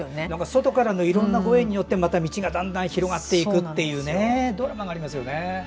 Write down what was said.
外からのいろんなご縁によって道がだんだん広がっていくというねドラマがありますよね。